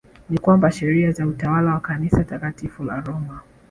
Ni kwamba sheria za utawala wa kanisa Takatifu la Roma